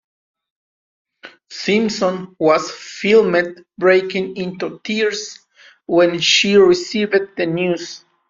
Simpson was filmed breaking into tears when she received the news.